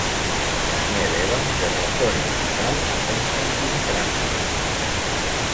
Daniel Evans derrotó en la final a Konstantín Kravchuk.